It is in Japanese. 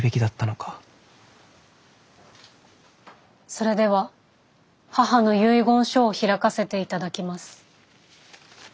それでは母の遺言書を開かせて頂きます。